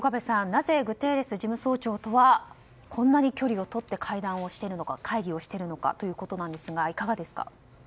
なぜグテーレス事務総長とはこんなに距離をとって会議をしているのかということですがいかがですか？